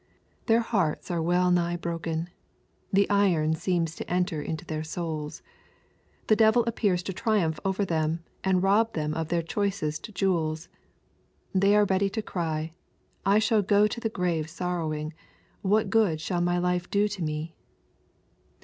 Their hearts are well nigh broken. The iron seems to enter into their souls. The devil appears to triumph over them, and rob them of their choicest jewels. They are ready to cry, "I shall go to the grave sorrowing. What good shall my life do to me